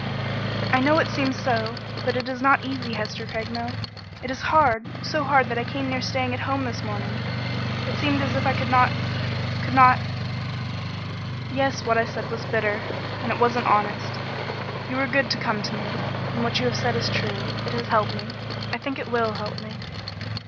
"I know it seems so, but it is not easy, Hester Craigmile. It is hard so hard that I came near staying at home this morning. It seemed as if I could not could not " "Yes, what I said was bitter, and it wasn't honest. You were good to come to me and what you have said is true. It has helped me; I think it will help me."